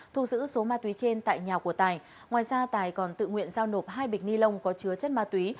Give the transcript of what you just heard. thu giữ số ma túy trên tại nhà của tài ngoài ra tài còn tự nguyện giao nộp hai bịch ni lông có chứa chất ma túy